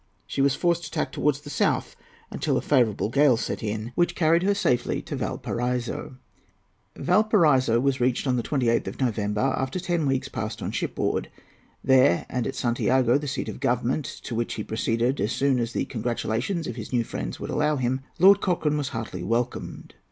She was forced to tack towards the south until a favourable gale set in, which carried her safely to Valparaiso. Valparaiso was reached on the 28th of November, after ten weeks passed on shipboard. There and at Santiago, the seat of government, to which he proceeded as soon as the congratulations of his new friends would allow him, Lord Cochrane was heartily welcomed.